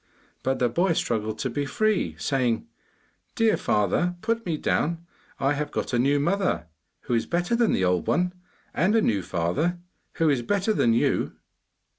But the boy struggled to be free, saying 'Dear father, put me down. I have got a new mother, who is better than the old one; and a new father, who is better than you.